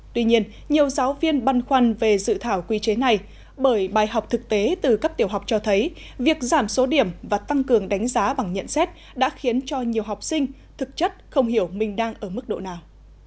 tuy nhiên nhiều giáo viên băn khoăn về dự thảo quy chế này bởi bài học thực tế từ cấp tiểu học cho thấy việc giảm số điểm và tăng cường đánh giá bằng nhận xét đã khiến cho nhiều học sinh thực chất không hiểu mình đang ở mức độ nào